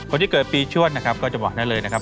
คนที่เกิดปีชวดนะครับก็จะบอกได้เลยนะครับ